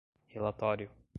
relatório